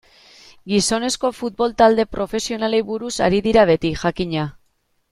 Gizonezko futbol talde profesionalei buruz ari dira beti, jakina.